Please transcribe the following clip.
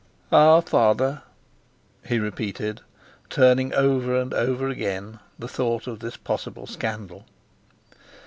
"Our Father—," he repeated, turning over and over again the thought of this possible scandal.